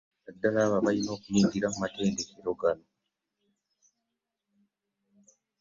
Naddala abo abalina okuyingira mu matendekero gano